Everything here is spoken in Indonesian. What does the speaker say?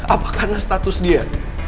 apa karena status dia